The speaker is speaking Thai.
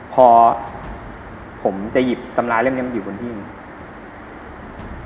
พอผมจะหยิบตำราเล่มอยู่บนที่นี่